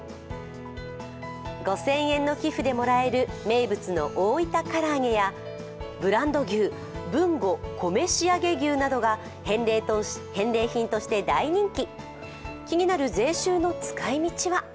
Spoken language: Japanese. ５０００円の寄付でもらえる名物の大分からあげやブランド牛、豊後・米仕上牛などが返礼品として大人気。